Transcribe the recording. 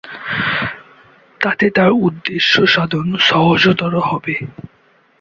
তাতে তার উদ্দেশ্য সাধন সহজতর হবে।